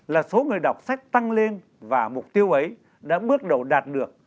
là số người đọc sách tăng lên và mục tiêu ấy đã bước đầu đạt được